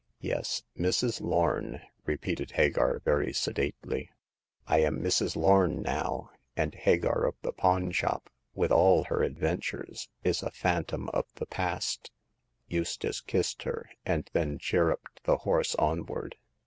Yes, Mrs. Lorn,*' repeated Hagar, very se dately. " I am Mrs, Lorn now> axvd H^5jj3l ^^ 296 Hagar of the Pawn Shop. the Pawn shop, with all her adventures, is a phantom of the past." Eustace kissed her, and then chirruped the horse onward.